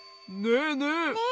ねえねえ。